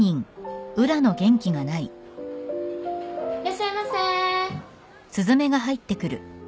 いらっしゃいませ。